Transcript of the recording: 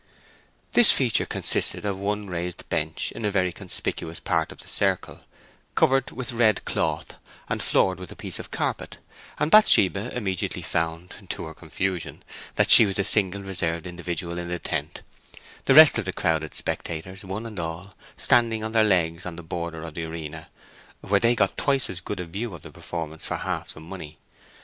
This feature consisted of one raised bench in a very conspicuous part of the circle, covered with red cloth, and floored with a piece of carpet, and Bathsheba immediately found, to her confusion, that she was the single reserved individual in the tent, the rest of the crowded spectators, one and all, standing on their legs on the borders of the arena, where they got twice as good a view of the performance for half the money.